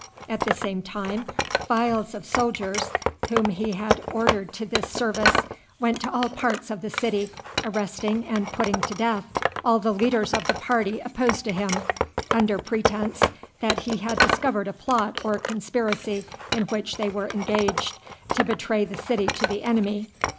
At the same time, files of soldiers, whom he had ordered to this service, went to all parts of the city, arresting and putting to death all the leaders of the party opposed to him, under pretense that he had discovered a plot or conspiracy in which they were engaged to betray the city to the enemy.